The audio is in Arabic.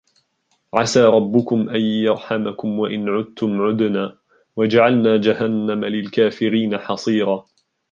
عسى ربكم أن يرحمكم وإن عدتم عدنا وجعلنا جهنم للكافرين حصيرا